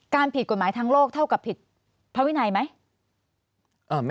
ผิดกฎหมายทางโลกเท่ากับผิดพระวินัยไหม